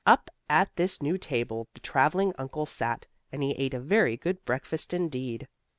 Up at this new table the traveling uncle sat, and he ate a very good breakfast indeed.